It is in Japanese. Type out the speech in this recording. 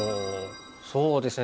そうですね